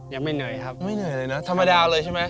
ยังไม่เหนื่อยครับไม่เหนื่อยเลยนะธรรมดาเลยใช่ไหม